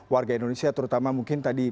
warga indonesia terutama mungkin tadi